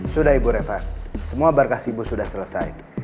sudah ibu reva semua berkas ibu sudah selesai